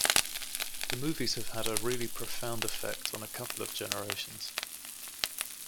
The movies have had a really profound effect on a couple of generations.